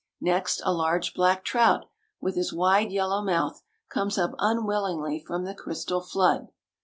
Next a large black trout, with his wide yellow mouth, comes up unwillingly from the crystal flood.